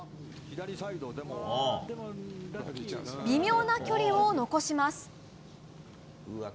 微妙な距離を残します。